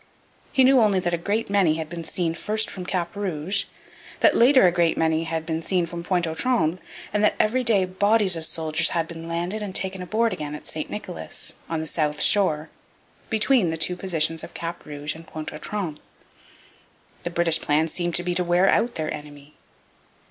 He knew only that a great many had been seen first from Cap Rouge, that later a great many had been seen from Pointe aux Trembles, and that every day bodies of soldiers had been landed and taken on board again at St Nicholas, on the south shore, between the two positions of Cap Rouge and Pointe aux Trembles. The British plan seemed to be to wear out their enemy.